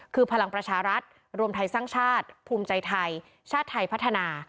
คือพลังประชารัฐรวมไทยสร้างชาติภูมิใจไทยชาติไทยพัฒนา